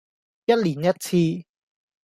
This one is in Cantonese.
一年一次